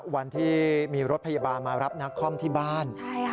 วันที่มีรถพยาบาลมารับนักคอมที่บ้าน